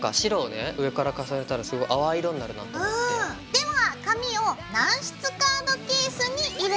では紙を軟質カードケースに入れます。